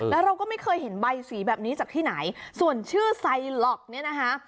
แล้วเราก็ไม่เคยเห็นใบสีแบบนี้จากที่ไหนส่วนชื่อไซล็อกเนี่ยนะคะ